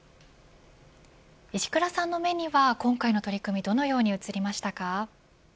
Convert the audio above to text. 石倉さんの目には今回の取り組みどのように映りましたか。